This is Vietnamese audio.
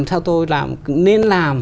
sao tôi làm nên làm